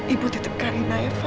ibu titip karina ya van